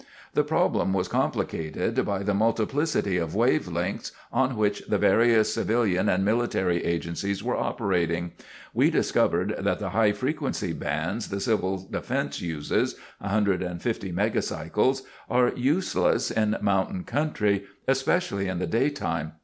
"The problem was complicated by the multiplicity of wave lengths on which the various civilian and military agencies were operating. We discovered that the high frequency bands the Civil Defense uses (150 megacycles) are useless in mountain country, especially in the day time.